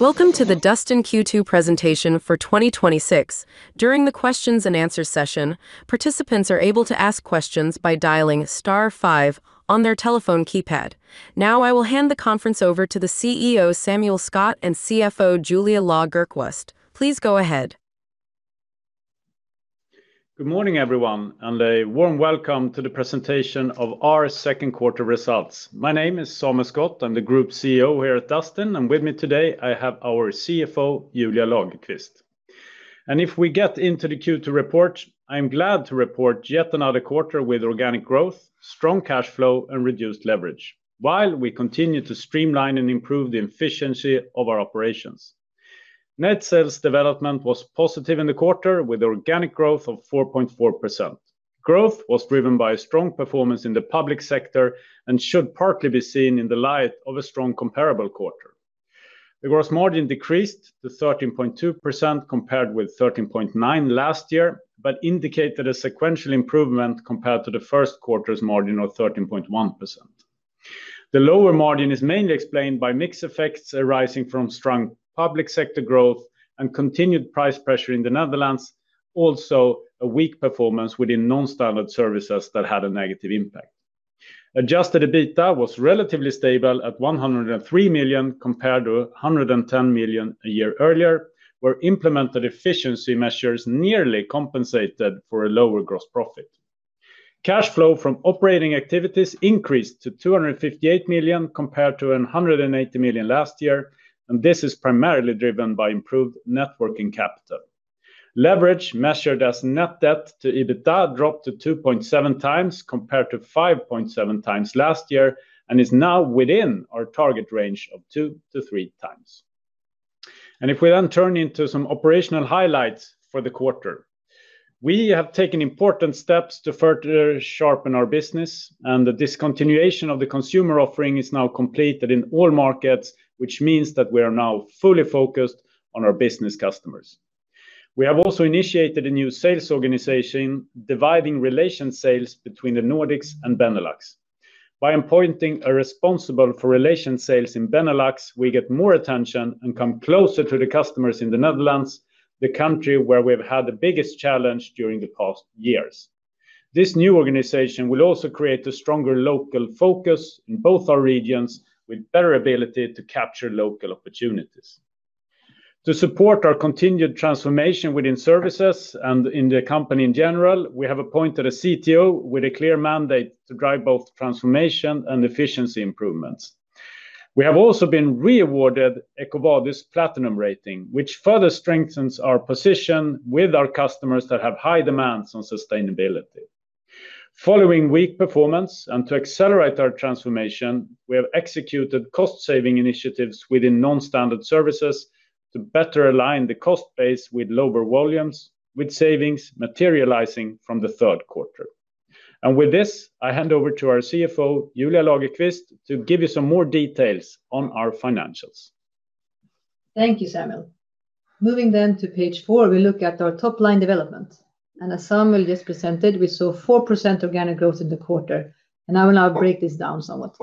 Welcome to the Dustin Q2 presentation for 2026. During the questions and answers session, participants are able to ask questions by dialing star five on their telephone keypad. Now I will hand the conference over to the CEO, Samuel Skott, and CFO Julia Lagerqvist. Please go ahead. Good morning, everyone, and a warm welcome to the presentation of our second quarter results. My name is Samuel Skott. I'm the Group CEO here at Dustin, and with me today I have our CFO, Julia Lagerqvist. If we get into the Q2 report, I'm glad to report yet another quarter with organic growth, strong cash flow, and reduced leverage while we continue to streamline and improve the efficiency of our operations. Net sales development was positive in the quarter with organic growth of 4.4%. Growth was driven by a strong performance in the public sector and should partly be seen in the light of a strong comparable quarter. The gross margin decreased to 13.2%, compared with 13.9% last year, but indicated a sequential improvement compared to the first quarter's margin of 13.1%. The lower margin is mainly explained by mix effects arising from strong public sector growth and continued price pressure in the Netherlands, also a weak performance within non-standard services that had a negative impact. Adjusted EBITDA was relatively stable at 103 million, compared to 110 million a year earlier, where implemented efficiency measures nearly compensated for a lower gross profit. Cash flow from operating activities increased to 258 million, compared to 180 million last year, and this is primarily driven by improved net working capital. Leverage measured as net debt to EBITDA dropped to 2.7x, compared to 5.7x last year and is now within our target range of 2x-3x. If we then turn to some operational highlights for the quarter. We have taken important steps to further sharpen our business, and the discontinuation of the consumer offering is now completed in all markets, which means that we are now fully focused on our business customers. We have also initiated a new sales organization dividing relation sales between the Nordics and Benelux. By appointing a responsible for relation sales in Benelux, we get more attention and come closer to the customers in the Netherlands, the country where we've had the biggest challenge during the past years. This new organization will also create a stronger local focus in both our regions, with better ability to capture local opportunities. To support our continued transformation within services and in the company in general, we have appointed a CTO with a clear mandate to drive both transformation and efficiency improvements. We have also been re-awarded EcoVadis Platinum rating, which further strengthens our position with our customers that have high demands on sustainability. Following weak performance and to accelerate our transformation, we have executed cost saving initiatives within non-standard services to better align the cost base with lower volumes, with savings materializing from the third quarter. With this, I hand over to our CFO, Julia Lagerqvist, to give you some more details on our financials. Thank you, Samuel. Moving then to page four, we look at our top line development. As Samuel just presented, we saw 4% organic growth in the quarter. I will now break this down somewhat.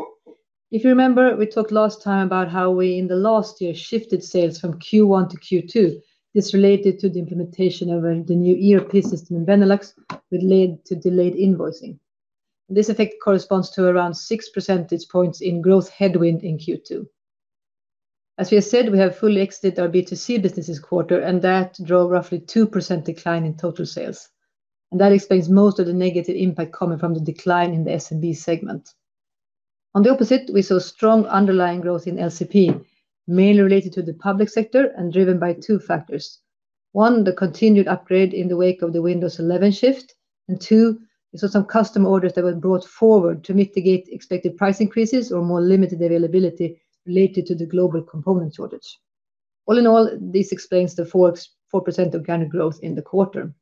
If you remember, we talked last time about how we in the last year shifted sales from Q1 to Q2. This related to the implementation of the new ERP system in Benelux, which led to delayed invoicing. This effect corresponds to around 6 percentage points in growth headwind in Q2. As we have said, we have fully exited our B2C business this quarter, and that drove roughly 2% decline in total sales. That explains most of the negative impact coming from the decline in the SMB segment. On the opposite, we saw strong underlying growth in LCP, mainly related to the public sector and driven by two factors. One, the continued upgrade in the wake of the Windows 11 shift, and two, we saw some custom orders that were brought forward to mitigate expected price increases or more limited availability related to the global component shortage. All in all, this explains the 4% organic growth in the quarter.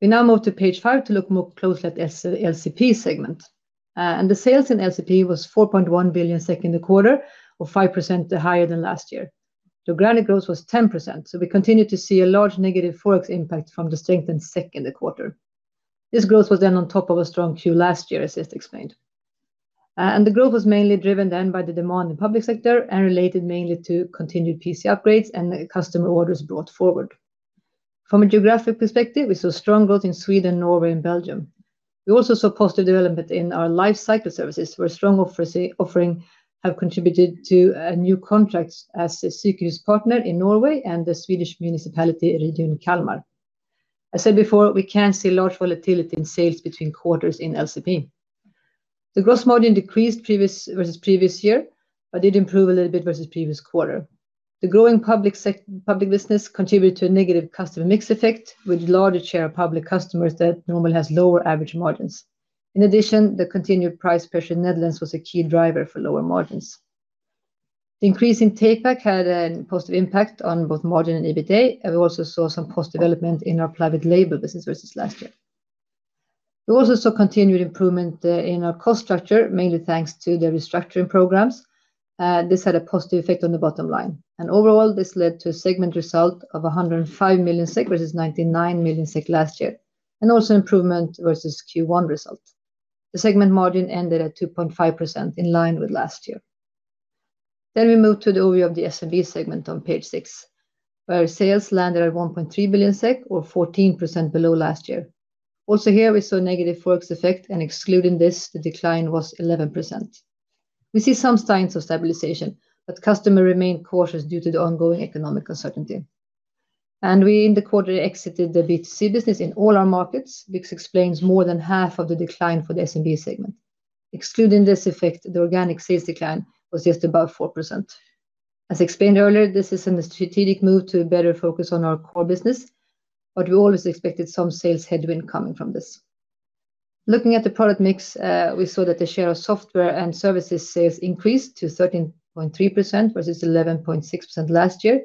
We now move to page five to look more closely at LCP segment. The sales in LCP was 4.1 billion SEK in the quarter, or 5% higher than last year. The organic growth was 10%, so we continued to see a large negative forex impact from the strengthened SEK in the quarter. This growth was then on top of a strong Q last year, as just explained. The growth was mainly driven then by the demand in public sector and related mainly to continued PC upgrades and customer orders brought forward. From a geographic perspective, we saw strong growth in Sweden, Norway, and Belgium. We also saw positive development in our lifecycle services where strong offering have contributed to new contracts as a security partner in Norway and the Swedish municipality region Kalmar. I said before, we can see large volatility in sales between quarters in LCP. The gross margin decreased versus previous year, but did improve a little bit versus previous quarter. The growing public business contributed to a negative customer mix effect with larger share of public customers that normally has lower average margins. In addition, the continued price pressure in Netherlands was a key driver for lower margins. The increase in takeback had a positive impact on both margin and EBITDA, and we also saw some positive development in our private label business versus last year. We also saw continued improvement in our cost structure, mainly thanks to the restructuring programs. This had a positive effect on the bottom line. Overall, this led to a segment result of 105 million SEK versus 99 million SEK last year, and also improvement versus Q1 result. The segment margin ended at 2.5% in line with last year. We move to the overview of the SMB segment on page six, where sales landed at 1.3 billion SEK or 14% below last year. Also here we saw negative forex effect, and excluding this, the decline was 11%. We see some signs of stabilization, but customer remained cautious due to the ongoing economic uncertainty. We, in the quarter, exited the B2C business in all our markets, which explains more than half of the decline for the SMB segment. Excluding this effect, the organic sales decline was just above 4%. As explained earlier, this is a strategic move to better focus on our core business, but we always expected some sales headwind coming from this. Looking at the product mix, we saw that the share of software and services sales increased to 13.3% versus 11.6% last year,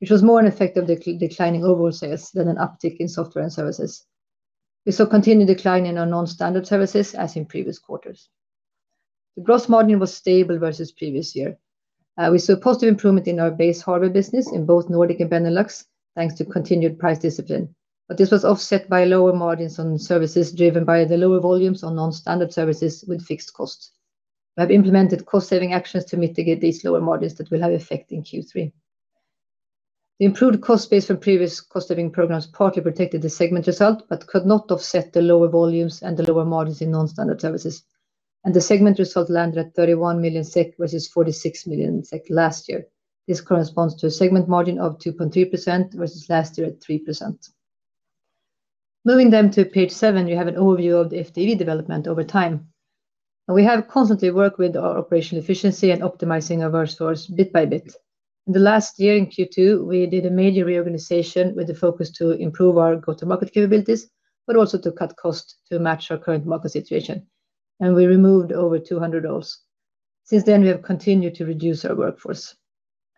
which was more an effect of declining overall sales than an uptick in software and services. We saw continued decline in our non-standard services as in previous quarters. The gross margin was stable versus previous year. We saw positive improvement in our base hardware business in both Nordics and Benelux, thanks to continued price discipline. This was offset by lower margins on services driven by the lower volumes on non-standard services with fixed costs. We have implemented cost saving actions to mitigate these lower margins that will have effect in Q3. The improved cost base from previous cost-saving programs partly protected the segment result, but could not offset the lower volumes and the lower margins in non-standard services, and the segment result landed at 31 million SEK versus 46 million SEK last year. This corresponds to a segment margin of 2.3% versus last year at 3%. Moving then to page seven, you have an overview of the FTE development over time. We have constantly worked with our operational efficiency and optimizing our resource bit by bit. In the last year, in Q2, we did a major reorganization with the focus to improve our go-to-market capabilities, but also to cut costs to match our current market situation, and we removed over 200 roles. Since then, we have continued to reduce our workforce.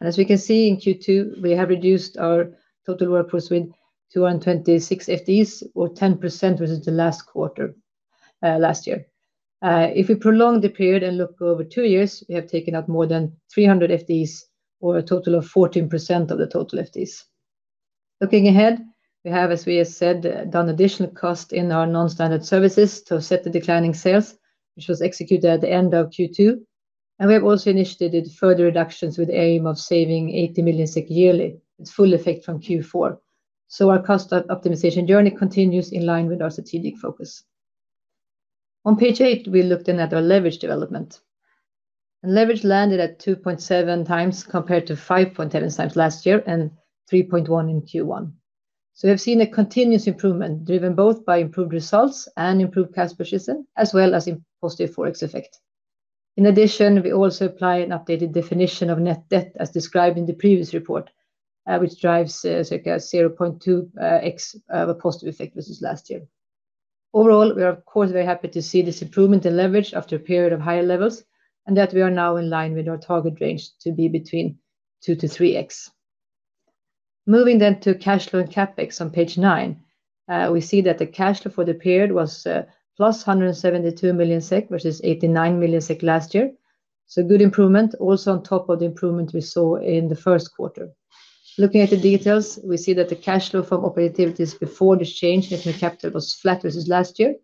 As we can see in Q2, we have reduced our total workforce with 226 FTEs or 10% versus the last quarter, last year. If we prolong the period and look over two years, we have taken out more than 300 FTEs or a total of 14% of the total FTEs. Looking ahead, we have, as we have said, done additional cost in our non-standard services to offset the declining sales, which was executed at the end of Q2. We have also initiated further reductions with aim of saving 80 million SEK yearly, its full effect from Q4. Our cost optimization journey continues in line with our strategic focus. On page eight, we looked in at our leverage development, and leverage landed at 2.7x compared to 5.11x last year and 3.1x in Q1. So we have seen a continuous improvement driven both by improved results and improved cash position, as well as a positive forex effect. In addition, we also apply an updated definition of net debt as described in the previous report, which drives circa 0.2x of a positive effect versus last year. Overall, we are of course very happy to see this improvement in leverage after a period of higher levels, and that we are now in line with our target range to be between 2x-3x. Moving then to cash flow and CapEx on page nine. We see that the cash flow for the period was +172 million SEK versus 89 million SEK last year. So good improvement also on top of the improvement we saw in the first quarter. Looking at the details, we see that the cash flow from operating activities before the change in net working capital was flat versus last year,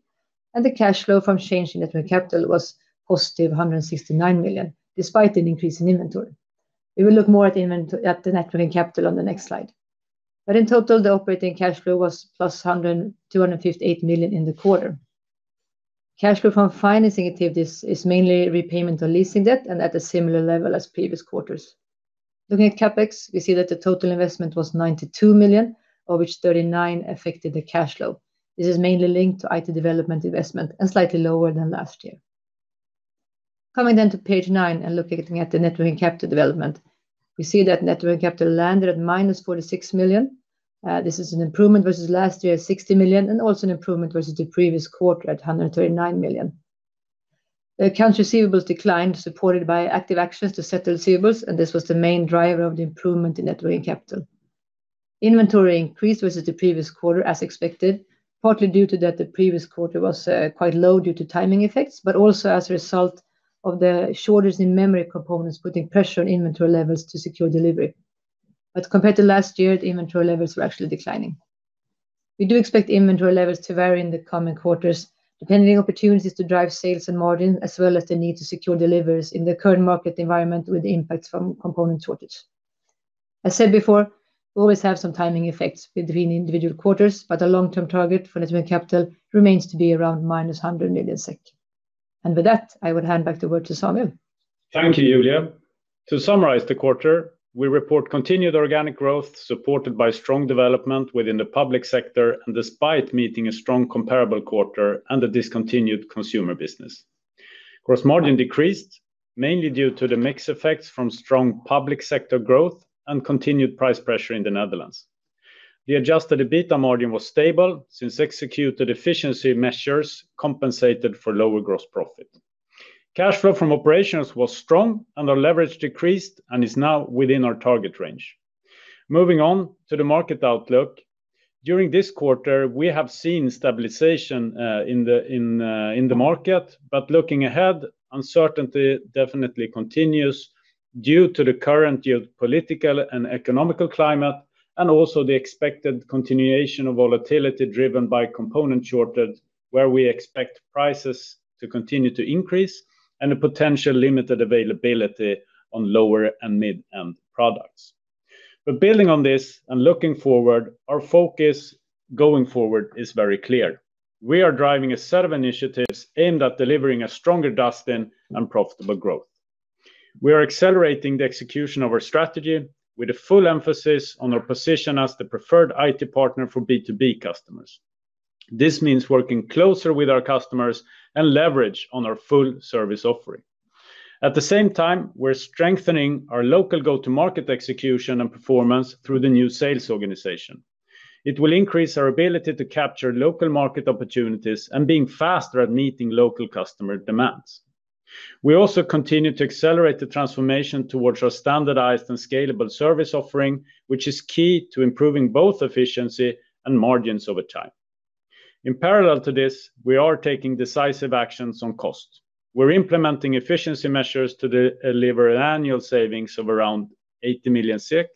and the cash flow from change in net working capital was +169 million, despite an increase in inventory. We will look more at the net working capital on the next slide. In total, the operating cash flow was +258 million in the quarter. Cash flow from financing activities is mainly repayment of leasing debt and at a similar level as previous quarters. Looking at CapEx, we see that the total investment was 92 million, of which 39 affected the cash flow. This is mainly linked to IT development investment and slightly lower than last year. Coming to page nine and looking at the net working capital development, we see that net working capital landed at -46 million. This is an improvement versus last year at 60 million and also an improvement versus the previous quarter at 139 million. The accounts receivables declined, supported by active actions to settle receivables, and this was the main driver of the improvement in net working capital. Inventory increased versus the previous quarter as expected, partly due to that the previous quarter was quite low due to timing effects, but also as a result of the shortage in memory components, putting pressure on inventory levels to secure delivery. Compared to last year, the inventory levels were actually declining. We do expect inventory levels to vary in the coming quarters, depending on opportunities to drive sales and margin, as well as the need to secure deliveries in the current market environment with the impacts from component shortage. As said before, we always have some timing effects between individual quarters, but our long-term target for net working capital remains to be around -100 million SEK. With that, I would hand back the word to Samuel. Thank you, Julia. To summarize the quarter, we report continued organic growth supported by strong development within the public sector and despite meeting a strong comparable quarter and a discontinued consumer business. Gross margin decreased mainly due to the mix effects from strong public sector growth and continued price pressure in the Netherlands. The adjusted EBITDA margin was stable since executed efficiency measures compensated for lower gross profit. Cash flow from operations was strong and our leverage decreased and is now within our target range. Moving on to the market outlook. During this quarter, we have seen stabilization in the market. Looking ahead, uncertainty definitely continues due to the current geopolitical and economical climate, and also the expected continuation of volatility driven by component shortage, where we expect prices to continue to increase, and a potential limited availability on lower and mid-end products. Building on this and looking forward, our focus going forward is very clear. We are driving a set of initiatives aimed at delivering a stronger Dustin and profitable growth. We are accelerating the execution of our strategy with a full emphasis on our position as the preferred IT partner for B2B customers. This means working closer with our customers and leverage on our full service offering. At the same time, we're strengthening our local go-to-market execution and performance through the new sales organization. It will increase our ability to capture local market opportunities and being faster at meeting local customer demands. We also continue to accelerate the transformation towards our standardized and scalable service offering, which is key to improving both efficiency and margins over time. In parallel to this, we are taking decisive actions on cost. We're implementing efficiency measures to deliver annual savings of around 80 million SEK,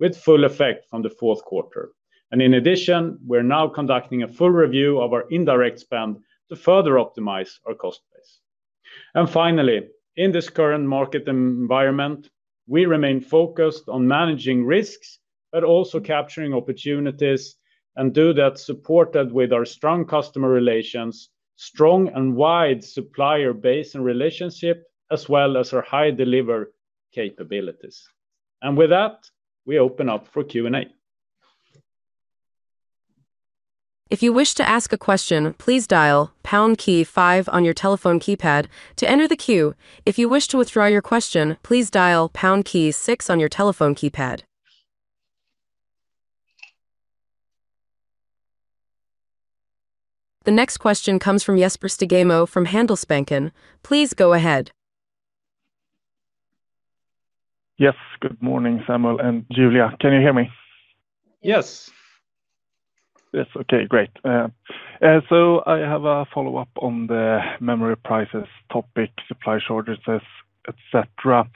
with full effect from the fourth quarter. In addition, we're now conducting a full review of our indirect spend to further optimize our cost base. Finally, in this current market environment, we remain focused on managing risks but also capturing opportunities, and do that supported with our strong customer relations, strong and wide supplier base and relationship, as well as our high delivery capabilities. With that, we open up for Q&A. If you wish to ask a question please dial pound key five on your telephone keypad to enter the queue. If you wish to withdraw your question please dial pound key six on your telephone keypad. The next question comes from Jesper Stugemo from Handelsbanken. Please go ahead. Yes. Good morning, Samuel and Julia. Can you hear me? Yes. Yes. Okay, great. So I have a follow-up on the memory prices topic, supply shortages, et cetera.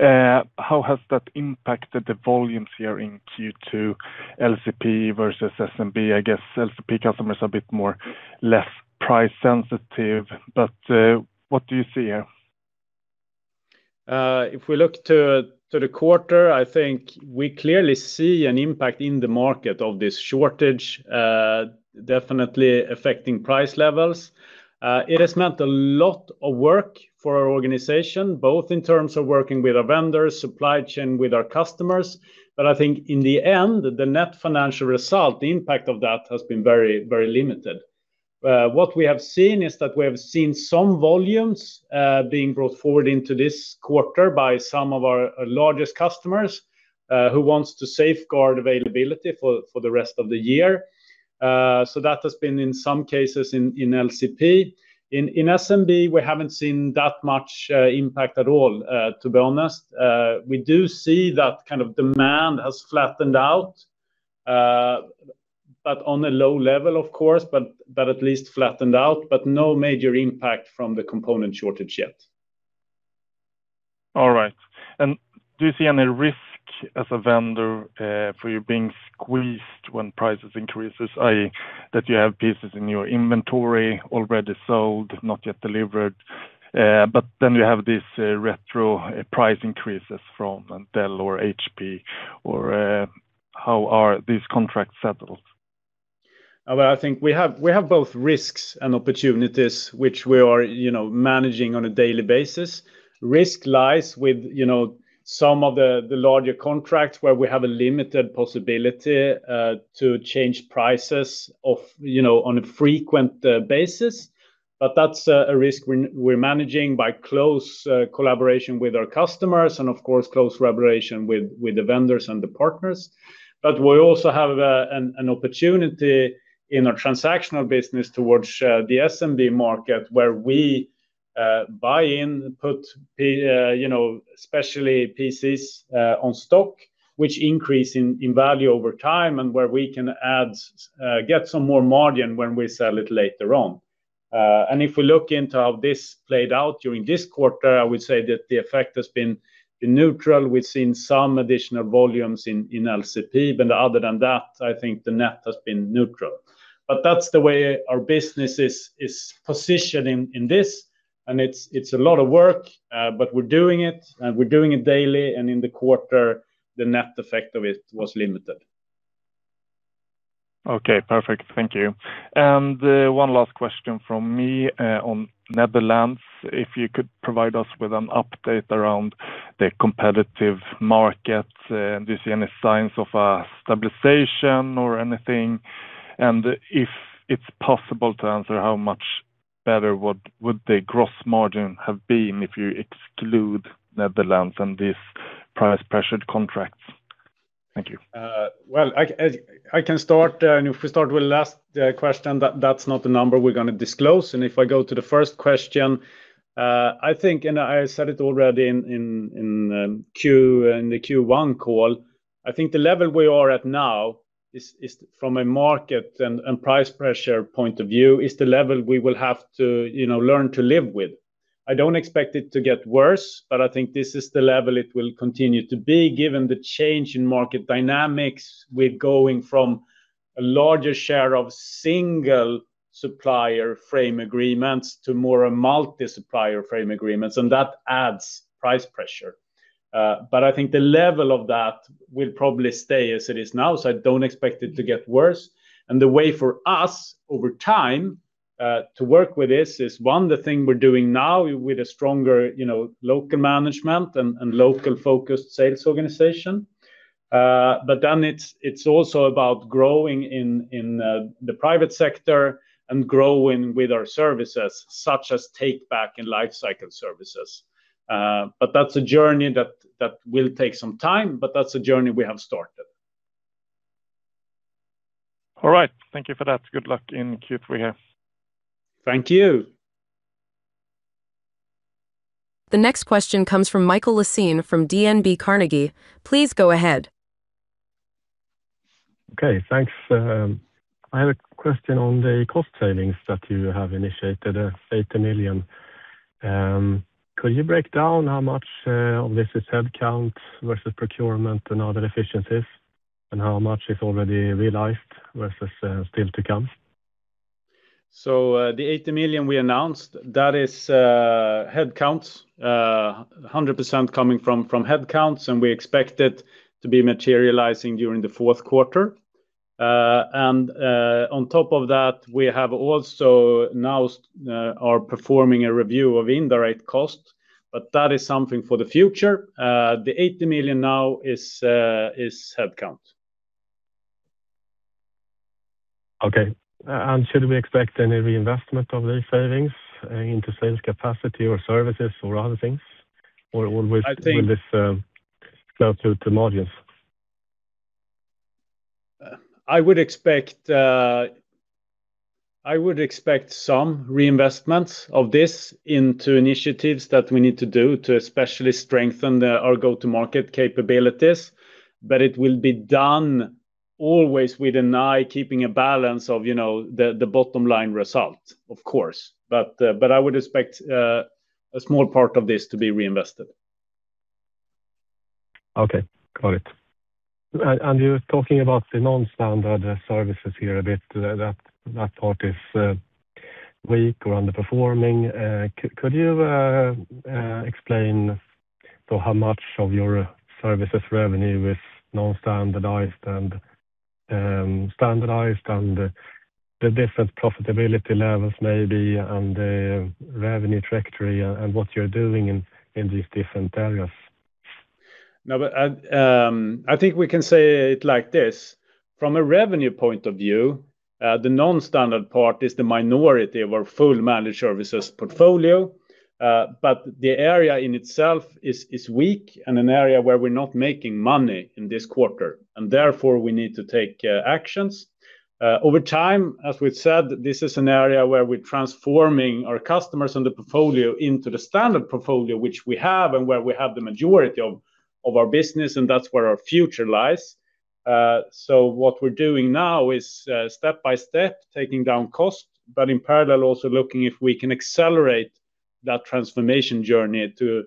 How has that impacted the volumes here in Q2, LCP versus SMB? I guess LCP customers are a bit more less price sensitive, but what do you see here? If we look to the quarter, I think we clearly see an impact in the market of this shortage, definitely affecting price levels. It has meant a lot of work for our organization, both in terms of working with our vendors, supply chain, with our customers. I think in the end, the net financial result, the impact of that has been very limited. What we have seen is that we have seen some volumes being brought forward into this quarter by some of our largest customers, who wants to safeguard availability for the rest of the year. That has been in some cases in LCP. In SMB, we haven't seen that much impact at all, to be honest. We do see that demand has flattened out. On a low level, of course, but at least flattened out, but no major impact from the component shortage yet. All right. Do you see any risk as a vendor for you being squeezed when price increases, i.e., that you have pieces in your inventory already sold, not yet delivered, but then you have these retro price increases from Intel or HP? How are these contracts settled? Well, I think we have both risks and opportunities which we are managing on a daily basis. Risk lies with some of the larger contracts where we have a limited possibility to change prices on a frequent basis. That's a risk we're managing by close collaboration with our customers and, of course, close collaboration with the vendors and the partners. We also have an opportunity in our transactional business towards the SMB market where we buy in, put especially PCs on stock, which increase in value over time, and where we can get some more margin when we sell it later on. If we look into how this played out during this quarter, I would say that the effect has been neutral. We've seen some additional volumes in LCP, but other than that, I think the net has been neutral. That's the way our business is positioned in this, and it's a lot of work, but we're doing it, and we're doing it daily, and in the quarter, the net effect of it was limited. Okay, perfect. Thank you. One last question from me on Netherlands, if you could provide us with an update around the competitive market. Do you see any signs of a stabilization or anything? If it's possible to answer, how much better would the gross margin have been if you exclude Netherlands and these price-pressured contracts? Thank you. Well, I can start, and if we start with the last question, that's not the number we're going to disclose. If I go to the first question, I think, and I said it already in the Q1 call, I think the level we are at now from a market and price pressure point of view is the level we will have to learn to live with. I don't expect it to get worse, but I think this is the level it will continue to be, given the change in market dynamics with going from a larger share of single-supplier frame agreements to more a multi-supplier frame agreements, and that adds price pressure. I think the level of that will probably stay as it is now, so I don't expect it to get worse. The way for us over time to work with this is one, the thing we're doing now with a stronger local management and local-focused sales organization. It's also about growing in the private sector and growing with our services, such as takeback and lifecycle services. That's a journey that will take some time, but that's a journey we have started. All right. Thank you for that. Good luck in Q3. Thank you. The next question comes from Mikael Laséen from DNB Carnegie. Please go ahead. Okay, thanks. I have a question on the cost savings that you have initiated, 80 million. Could you break down how much of this is headcount versus procurement and other efficiencies, and how much is already realized versus still to come? The 80 million we announced, that is headcounts, 100% coming from headcounts, and we expect it to be materializing during the fourth quarter. On top of that, we are also now performing a review of indirect costs, but that is something for the future. The 80 million now is headcount. Okay. Should we expect any reinvestment of these savings into sales capacity or services or other things? I think- Or this will go through to margins? I would expect some reinvestments of this into initiatives that we need to do to especially strengthen our go-to-market capabilities. It will be done always with an eye keeping a balance of the bottom line result, of course. I would expect a small part of this to be reinvested. Okay. Got it. You're talking about the non-standard services here a bit. That part is weak or underperforming. Could you explain how much of your services revenue is non-standardized and standardized, and the different profitability levels maybe, and the revenue trajectory and what you're doing in these different areas? I think we can say it like this. From a revenue point of view, the non-standard part is the minority of our full managed services portfolio. The area in itself is weak and an area where we're not making money in this quarter, and therefore we need to take actions. Over time, as we've said, this is an area where we're transforming our customers on the portfolio into the standard portfolio, which we have and where we have the majority of our business, and that's where our future lies. What we're doing now is, step by step, taking down cost, but in parallel also looking if we can accelerate that transformation journey to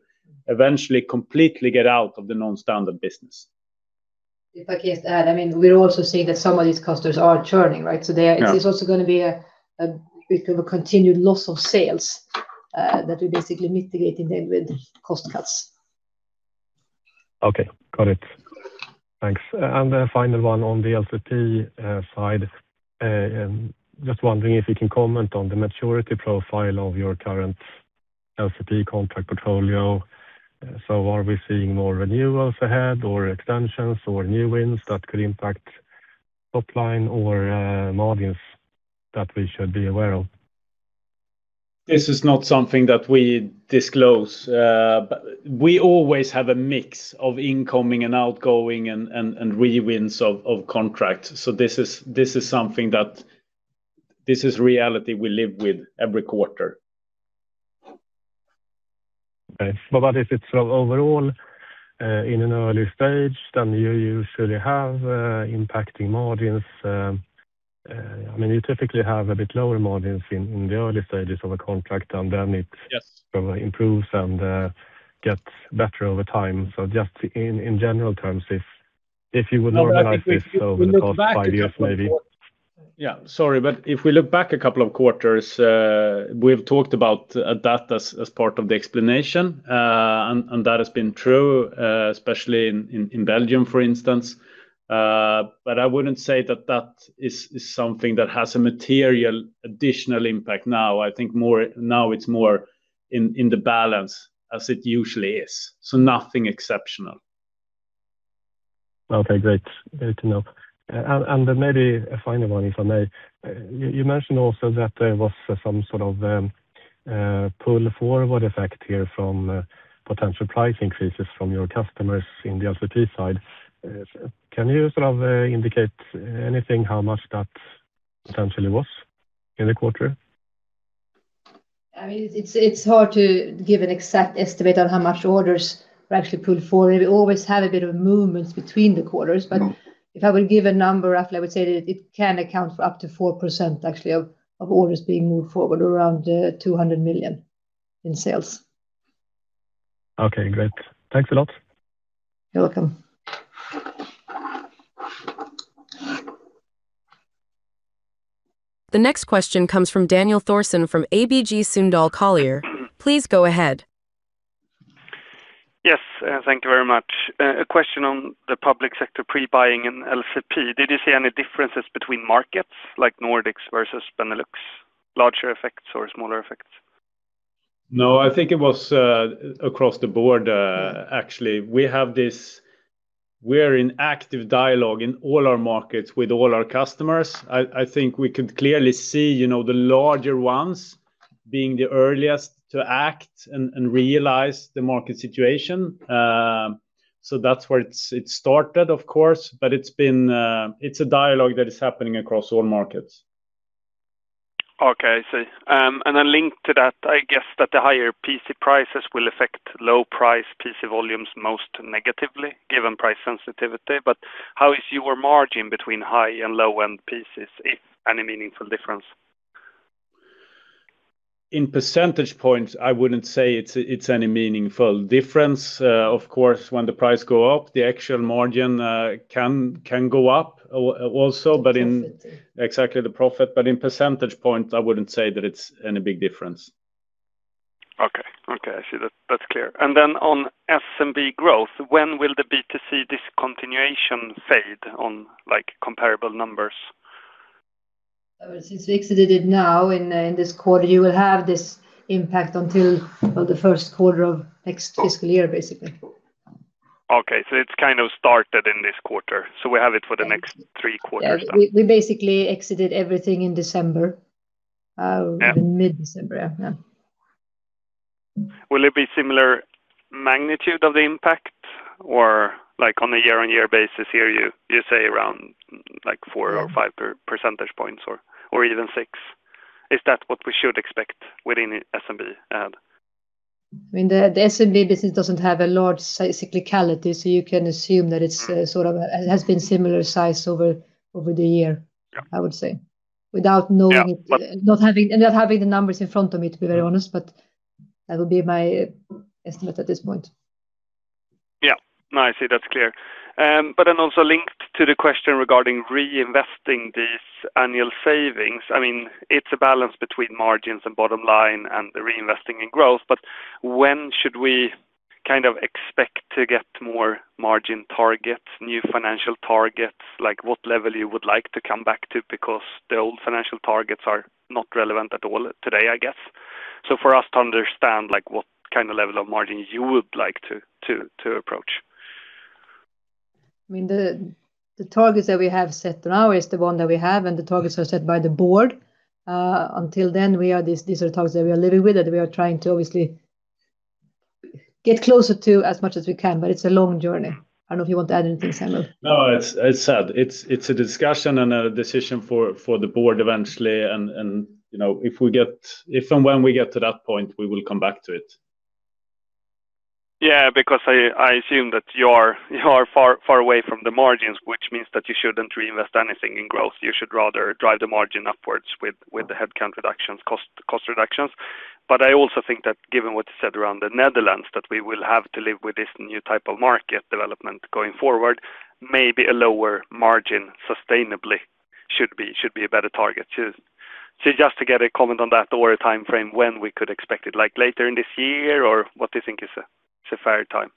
eventually completely get out of the non-standard business. If I can add, we're also seeing that some of these customers are churning. Yeah It is also going to be a bit of a continued loss of sales that we're basically mitigating then with cost cuts. Okay. Got it. Thanks. A final one on the LCP side, just wondering if you can comment on the maturity profile of your current LCP contract portfolio. Are we seeing more renewals ahead or extensions or new wins that could impact top line or margins that we should be aware of? This is not something that we disclose. We always have a mix of incoming and outgoing and re-wins of contracts. This is reality we live with every quarter. Okay. What if it's sort of overall, in an early stage than you usually have impacting margins? You typically have a bit lower margins in the early stages of a contract. Yes Sort of improves and gets better over time. Just in general terms, if you would normalize this over the last five years, maybe. Yeah. Sorry, if we look back a couple of quarters, we've talked about that as part of the explanation. That has been true, especially in Belgium, for instance. I wouldn't say that that is something that has a material additional impact now. I think now it's more in the balance as it usually is. Nothing exceptional. Okay, great. Good to know. Maybe a final one, if I may. You mentioned also that there was some sort of pull-forward effect here from potential price increases from your customers in the LCP side. Can you sort of indicate anything how much that potentially was in the quarter? I mean, it's hard to give an exact estimate on how much orders were actually pulled forward. We always have a bit of movements between the quarters. Mm-hmm. If I would give a number, roughly, I would say that it can account for up to 4%, actually, of orders being moved forward, around 200 million in sales. Okay, great. Thanks a lot. You're welcome. The next question comes from Daniel Thorsson from ABG Sundal Collier. Please go ahead. Yes. Thank you very much. A question on the public sector pre-buying and LCP. Did you see any differences between markets, like Nordics versus Benelux? Larger effects or smaller effects? No, I think it was across the board, actually. We're in active dialogue in all our markets with all our customers. I think we could clearly see the larger ones being the earliest to act and realize the market situation. That's where it started, of course, but it's a dialogue that is happening across all markets. Okay, I see. Linked to that, I guess that the higher PC prices will affect low-price PC volumes most negatively, given price sensitivity. How is your margin between high and low-end PCs, if any meaningful difference? In percentage points, I wouldn't say it's any meaningful difference. Of course, when the price go up, the actual margin can go up also, but in- Profit. Exactly, the profit. In percentage points, I wouldn't say that it's any big difference. Okay. I see. That's clear. On SMB growth, when will the B2C discontinuation fade on comparable numbers? Since we exited it now in this quarter, you will have this impact until the first quarter of next fiscal year, basically. Okay, it's kind of started in this quarter. We have it for the next three quarters then. We basically exited everything in December. Yeah. In mid-December, yeah. Will it be similar magnitude of the impact? On a year-on-year basis here, you say around 4 percentage points or 5 percentage points or even 6 percentage points. Is that what we should expect within SMB? I mean, the SMB business doesn't have a large cyclicality, so you can assume that it has been similar size over the year. Yeah I would say, without knowing it. Yeah Not having the numbers in front of me, to be very honest, but that would be my estimate at this point. Yeah. No, I see. That's clear. Also linked to the question regarding reinvesting these annual savings, I mean, it's a balance between margins and bottom line and the reinvesting in growth, but when should we expect to get more margin targets, new financial targets? What level you would like to come back to, because the old financial targets are not relevant at all today, I guess, for us to understand what kind of level of margin you would like to approach? I mean, the targets that we have set now is the one that we have, and the targets are set by the Board. Until then, these are the targets that we are living with, that we are trying to obviously get closer to as much as we can, but it's a long journey. I don't know if you want to add anything, Samuel. No, as said, it's a discussion and a decision for the Board eventually. If and when we get to that point, we will come back to it. Yeah, because I assume that you are far away from the margins, which means that you shouldn't reinvest anything in growth. You should rather drive the margin upwards with the headcount reductions, cost reductions. I also think that given what's said around the Netherlands, that we will have to live with this new type of market development going forward. Maybe a lower margin sustainably should be a better target. Just to get a comment on that or a timeframe when we could expect it, like later in this year, or what do you think is a fair time?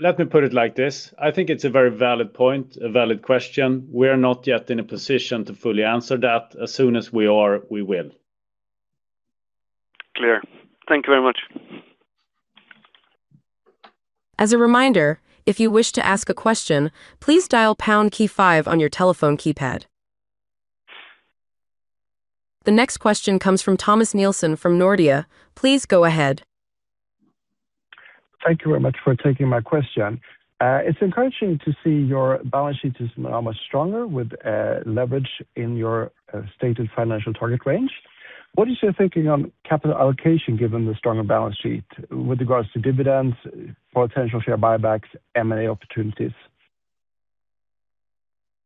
Let me put it like this. I think it's a very valid point, a valid question. We're not yet in a position to fully answer that. As soon as we are, we will. Clear. Thank you very much. As a reminder, if you wish to ask a question, please dial pound key five on your telephone keypad. The next question comes from Thomas Nielsen from Nordea. Please go ahead. Thank you very much for taking my question. It's encouraging to see your balance sheet is now much stronger with leverage in your stated financial target range. What is your thinking on capital allocation given the stronger balance sheet with regards to dividends or potential share buybacks, M&A opportunities?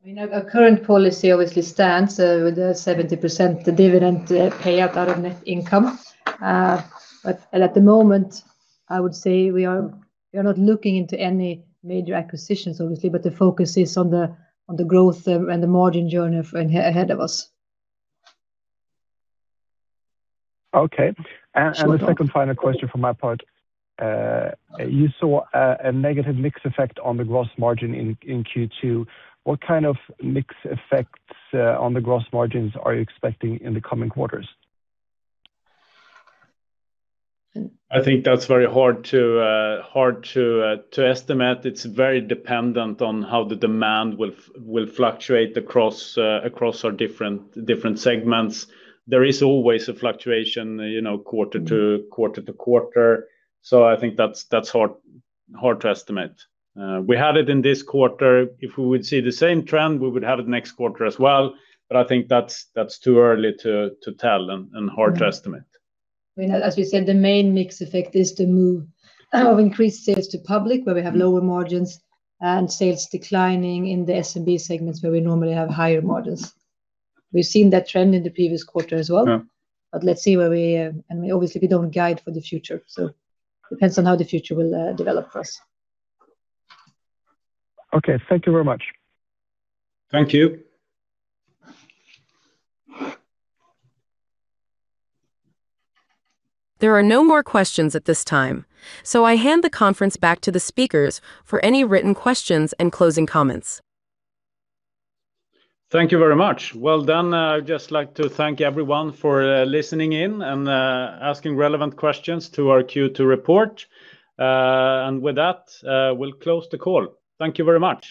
I mean, our current policy obviously stands with a 70% dividend payout out of net income. At the moment, I would say we are not looking into any major acquisitions, obviously, but the focus is on the growth and the margin journey ahead of us. Okay. Last one. The second final question from my part, you saw a negative mix effect on the gross margin in Q2. What kind of mix effects on the gross margins are you expecting in the coming quarters? I think that's very hard to estimate. It's very dependent on how the demand will fluctuate across our different segments. There is always a fluctuation quarter-to-quarter. I think that's hard to estimate. We had it in this quarter. If we would see the same trend, we would have it next quarter as well, but I think that's too early to tell and hard to estimate. I mean, as we said, the main mix effect is the move of increased sales to public, where we have lower margins and sales declining in the SMB segments where we normally have higher margins. We've seen that trend in the previous quarter as well. Yeah. I mean, obviously, we don't guide for the future, so it depends on how the future will develop for us. Okay. Thank you very much. Thank you. There are no more questions at this time, so I hand the conference back to the speakers for any written questions and closing comments. Thank you very much. Well done. I'd just like to thank everyone for listening in and asking relevant questions to our Q2 report. With that, we'll close the call. Thank you very much.